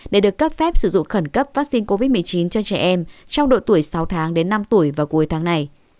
để được cấp phép sử dụng khẩn cấp vaccine covid một mươi chín cho trẻ em trong độ tuổi sáu tháng đến năm tuổi vào cuối tháng này